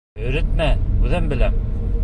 Өйрәтмә, үҙем беләм.